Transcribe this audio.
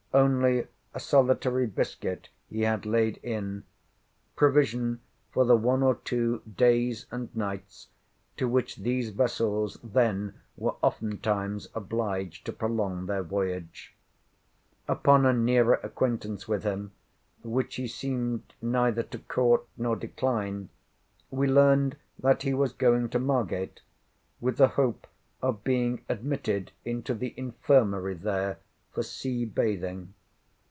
Only a solitary biscuit he had laid in; provision for the one or two days and nights, to which these vessels then were oftentimes obliged to prolong their voyage Upon a nearer acquaintance with him, which he seemed neither to court nor decline, we learned that he was going to Margate, with the hope of being admitted into the Infirmary there for sea bathing.